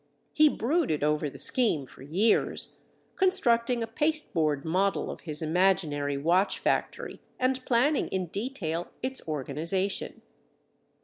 He brooded over the scheme for years, constructing a pasteboard model of his imaginary watch factory and planning in detail its organization.